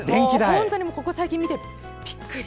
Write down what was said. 本当にここ最近見てびっくり。